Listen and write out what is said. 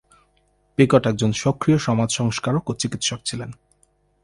Picot একজন সক্রিয় সমাজ সংস্কারক ও চিকিৎসক ছিলেন।